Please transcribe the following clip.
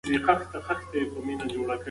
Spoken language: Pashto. ماشومان چې لږ وزن لري وروسته زیات وزن اخلي.